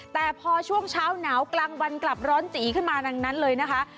แต่พอช่วงเช้าหนาวกลางวันกลับร้อนจีขึ้นมาดังนั้นเลยนะคะ